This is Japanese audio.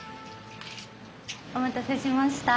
お待たせしました。